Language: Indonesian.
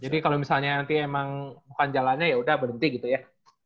jadi kalau misalnya nanti emang bukan jalannya ya udah berhenti gitu ya